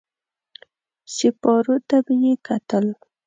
سېپارو ته به يې کتل.